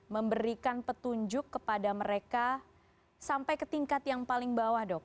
memberikan petunjuk kepada mereka sampai ke tingkat yang paling bawah dok